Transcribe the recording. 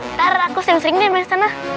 ntar aku sing sing deh main sana